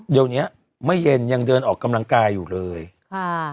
เดี๋ยวเนี้ยไม่เย็นยังเดินออกกำลังกายอยู่เลยค่ะ